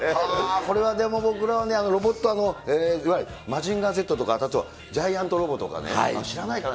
これはでも、僕らはロボット、いわゆるマジンガーＺとか、あとジャイアントロボとかね、知らないかな？